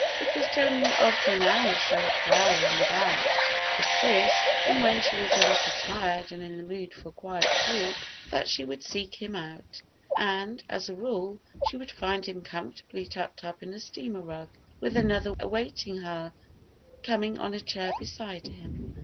It was generally after an hour or so of prowling about with Chris, and when she was a little tired and in the mood for a quiet talk, that she would seek him out; and, as a rule, she would find him comfortably tucked up in a steamer rug, with another awaiting her coming on a chair beside him.